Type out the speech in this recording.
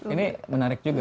ini menarik juga